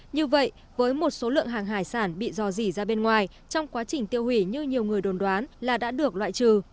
như vậy với một số lượng hàng hải sản bị dò dỉ ra bên ngoài trong quá trình tiêu hủy như nhiều người đồn đoán là đã được loại trừ